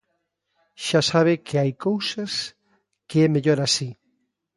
Xa sabe que hai cousas que é mellor así.